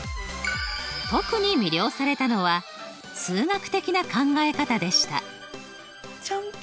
特に魅了されたのは「数学的な考え方」でした。